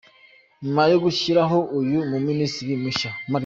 Nyuma yo gushyiraho uyu mu Minisitiri mushya M.